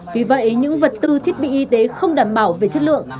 vì vậy những vật tư thiết bị y tế không đảm bảo về chất lượng